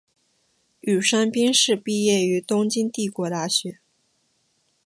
宇山兵士毕业于东京帝国大学。